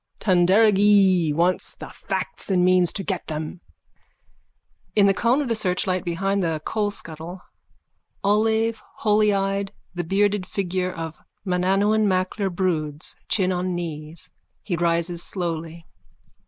Tanderagee wants the facts and means to get them. _(In the cone of the searchlight behind the coalscuttle, ollave, holyeyed, the bearded figure of Mananaun MacLir broods, chin on knees. He rises slowly.